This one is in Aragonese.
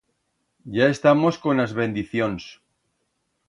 Ya estamos con as bendicions.